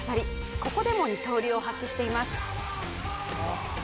ここでも二刀流を発揮しています。